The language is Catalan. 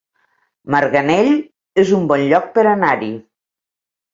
Marganell es un bon lloc per anar-hi